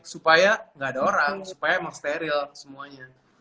supaya nggak ada orang supaya emang steril semuanya